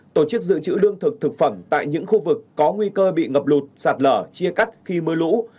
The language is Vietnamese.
tổ chức dự trữ lương thực thực phẩm tại những khu vực có nguy cơ bị ngập lụt sạt lở chia cắt khi mưa lũ